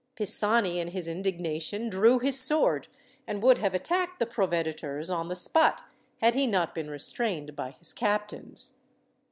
Pisani in his indignation drew his sword, and would have attacked the proveditors on the spot, had he not been restrained by his captains.